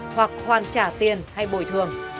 hoặc hoàn trả tiền hay bồi thuốc